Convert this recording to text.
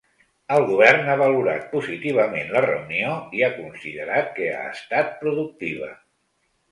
El govern ha valorat positivament la reunió i ha considerat que ha estat “productiva”.